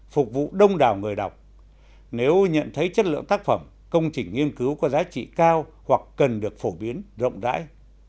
phục vụ đông đảo người đọc nếu nhận thấy chất lượng tác phẩm công trình nghiên cứu có giá trị cao hoặc cần được phổ biến rộng rãi